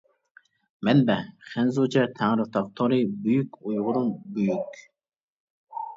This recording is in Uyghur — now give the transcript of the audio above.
مەنبە: خەنزۇچە تەڭرىتاغ تورى بۈيۈك ئۇيغۇرۇم بۈيۈك!